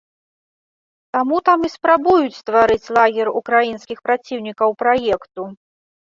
Таму там і спрабуюць стварыць лагер украінскіх праціўнікаў праекту.